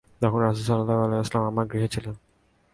তখন রাসূলুল্লাহ সাল্লাল্লাহু আলাইহি ওয়াসাল্লাম আমার গৃহে ছিলেন।